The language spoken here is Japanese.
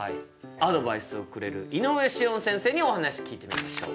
アドバイスをくれる井上志音先生にお話聞いてみましょう。